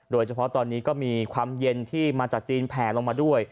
โดยเฉพาะตอนนี้ก็มีความเย็นที่มาจากจีนแผลลงมาด้วย